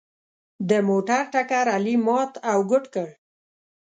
د موټر ټکر علي مات او ګوډ کړ.